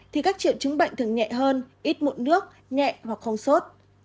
thì các triệu chứng bệnh thường nhẹ hơn ít mụn nước nhẹ hoặc không sốt